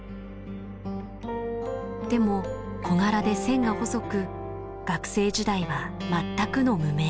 でも小柄で線が細く学生時代は全くの無名。